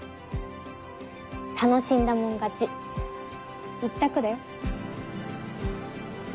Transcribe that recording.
楽しんだもん勝ち一択だよ。